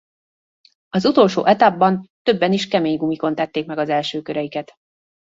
Az utolsó etapban többen is kemény gumikon tették meg az első köreiket.